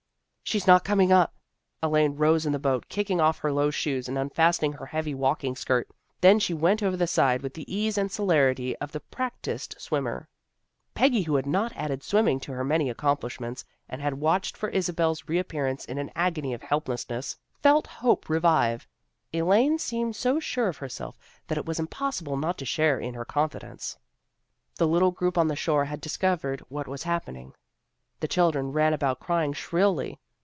" She's not coming up." Elaine rose in the boat, kicking off her low shoes, and unfastening her heavy walking skirt. Then she went over the side with the ease and celerity of the prac tised swimmer. Peggy, who had not added swimming to her many accomplishments, and AN EVENTFUL PICNIC 329 had watched for Isabel's reappearance in an agony of helplessness, felt hope revive. Elaine seemed so sure of herself that it was impossible not to share in her confidence. The little group on the shore had discovered what was happening. The children ran about crying shrilly.